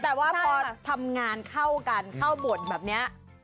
แต่ว่าพอทำงานเข้ากันเข้าบทแบบนี้